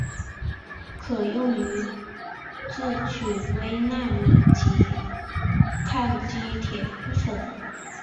可用于制取微纳米级羰基铁粉。